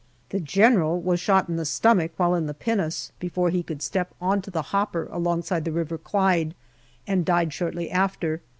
The General was shot in the stomach while in the pinnace, before he could step on to the hopper alongside the River Clyde, and died shortly after.